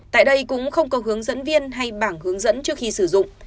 tại đây cũng không có hướng dẫn viên hay bảng hướng dẫn trước khi sử dụng